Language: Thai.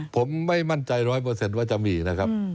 ผมไม่มั่นใจ๑๐๐ว่าจะมีนะครับ